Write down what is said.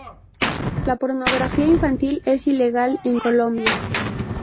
La pornografía infantil es ilegal en Colombia.